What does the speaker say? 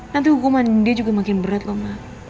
nanti hukuman dia juga makin berat loh ma